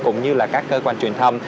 cũng như là các cơ quan truyền thông